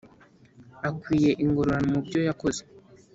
akwiye ingororano mubyo yakoze